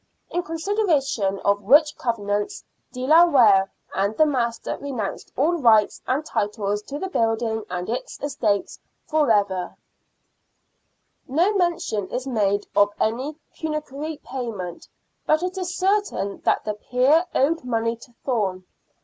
In consideration of which covenants, De la Warre and the master renounced all rights and titles to the building and its estates for ever. ST. BARTHOLOMEW'S HOSPITAL ACQUIRED. 43 No mention is made of any pecuniary payment, but it is certain that the peer owed money to Thome.